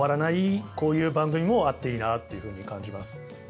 こういう番組もあっていいなっていうふうに感じます。